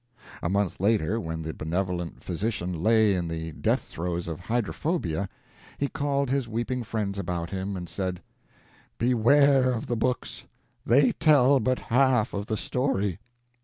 A month later, when the benevolent physician lay in the death throes of hydrophobia, he called his weeping friends about him, and said: "Beware of the books. They tell but half of the story.